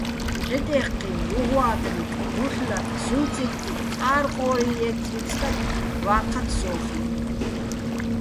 ჰ̦ეტ-ეჴჴინო̆, ვუღვა́კრიკ, ბუჰ̦ლაკ, სულწიკწიკ, ყა́რყო́რი ჲე́თთრიკ სტაკ ვა́ჴათ სო́ხიჼ!